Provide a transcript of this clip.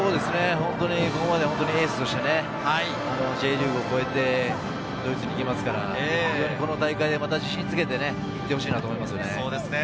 ここまで本当にエースとしてＪリーグを超えてドイツに行きますから、この大会で自信をつけていってほしいと思います。